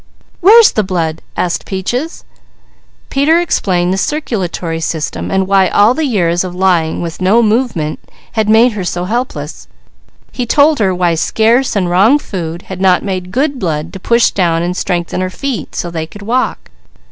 "Where's the blood?" asked Peaches. Peter explained the circulatory system and why all the years of lying, with no movement, had made her so helpless. He told her why scarce and wrong food had not made good blood to push down and strengthen her feet so they would walk.